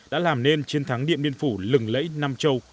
đã làm nên chiến thắng điện biên phủ lừng lẫy nam châu